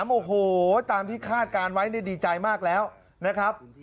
โอ้โหตามที่คาดการณ์ไว้ดีใจมากแล้วนะครับ